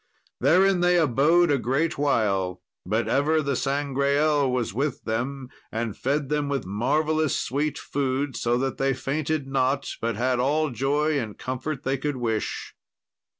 Therein they abode a great while, but ever the Sangreal was with them and fed them with marvellous sweet food, so that they fainted not, but had all joy and comfort they could wish.